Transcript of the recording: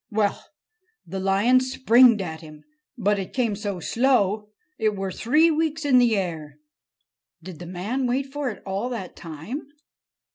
"Well, the lion springed at him. But it came so slow, it were three weeks in the air——" "Did the man wait for it all that time?"